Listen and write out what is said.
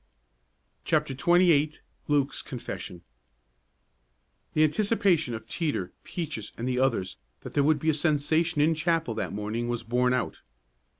CHAPTER XXVIII LUKE'S CONFESSION The anticipation of Teeter, Peaches and the others that there would be a sensation in chapel that morning was borne out.